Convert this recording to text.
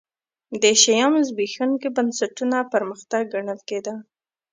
د شیام زبېښونکي بنسټونه پرمختګ ګڼل کېده.